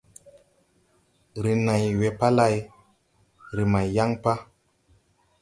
Ree này we pa lay, re mãy yan pa.